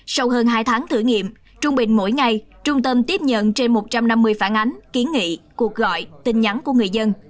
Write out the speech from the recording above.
sau hơn hai tháng thử nghiệm trung bình mỗi ngày trung tâm tiếp nhận trên một trăm năm mươi phản ánh kiến nghị cuộc gọi tin nhắn của người dân